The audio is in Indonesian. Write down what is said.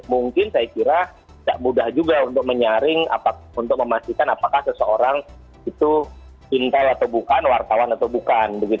mungkin saya kira tidak mudah juga untuk menyaring untuk memastikan apakah seseorang itu intel atau bukan wartawan atau bukan